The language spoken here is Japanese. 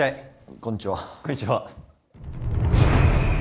こんにちは。